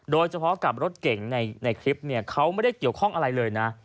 โดยเฉพาะกับรถเก่งในคลิปเนี่ยเขาไม่ได้เกี่ยวข้องอะไรเลยนะ